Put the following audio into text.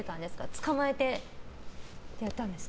捕まえて、やられたんですか？